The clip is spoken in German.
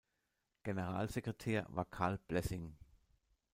Generalsekretär war Karl Blessing.